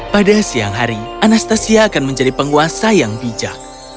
pada siang hari anastasia akan menjadi penguasa yang bijak